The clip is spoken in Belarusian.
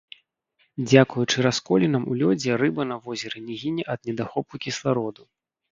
Дзякуючы расколінам у лёдзе рыба на возеры не гіне ад недахопу кіслароду.